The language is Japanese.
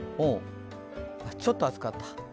ちょっと暑かった。